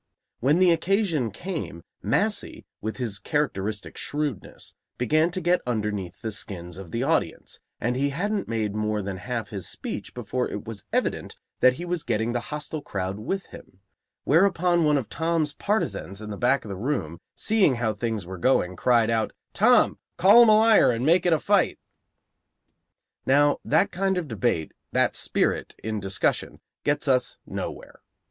When the occasion came, Massey, with his characteristic shrewdness, began to get underneath the skins of the audience, and he hadn't made more than half his speech before it was evident that he was getting that hostile crowd with him; whereupon one of Tom's partisans in the back of the room, seeing how things were going, cried out: "Tom, call him a liar and make it a fight!" Now, that kind of debate, that spirit in discussion, gets us nowhere.